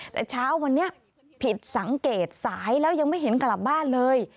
แต่เช้าวันนี้ผิดสังเกตสายแล้วยังไม่เห็นกลับบ้านเลย